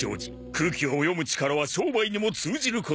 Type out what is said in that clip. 空気を読む力は商売にも通じることだよ。